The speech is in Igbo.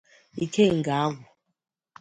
Ikenga agwụ